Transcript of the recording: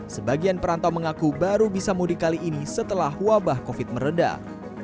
sebagian perantau mengaku baru bisa mudik kali ini setelah wabah covid meredah